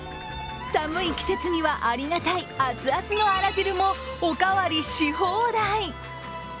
寒い季節にはありがたいアツアツのあら汁もお代わりし放題。